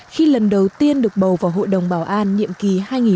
khi lần đầu tiên được bầu vào hội đồng bảo an nhiệm kỳ hai nghìn tám hai nghìn chín